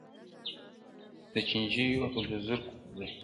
د چڼچڼيو او د زرکو پرځای؛